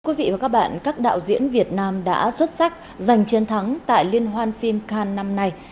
quý vị và các bạn các đạo diễn việt nam đã xuất sắc giành chiến thắng tại liên hoan phim kand năm nay